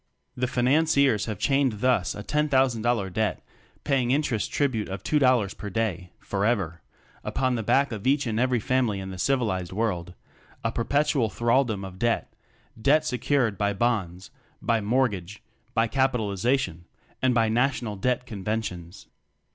The "Financiers" have chained thus a $10,000 debt, paying "interest" trib ute of $2.00 per day (for ever) upon the back of each and every family in the "civilized world" a perpetual thraldom of debt; debt secured by "Bonds," by "Mortgage," by "Capi TECHNOCRACY 3! talization" and by "National Debt" conventions.